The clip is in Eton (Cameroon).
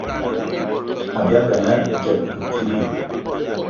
Abialga ana a debege kidi?